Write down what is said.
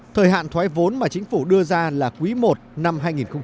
thời hạn thoái vốn mà chính phủ đưa ra là quý i năm hai nghìn một mươi tám